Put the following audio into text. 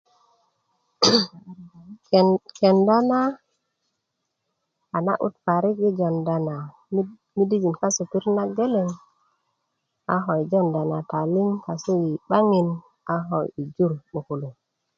kenda na a na'but parik i jonda na midijik kasu i pirit na geleŋ a ko i jonda na taliŋ kasu i 'baŋin a ko i jur 'bukuluŋ